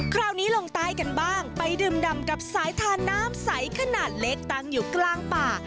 คราวนี้ลงใต้กันบ้างไปดื่มดำกับสายทานน้ำใสขนาดเล็กตั้งอยู่กลางป่า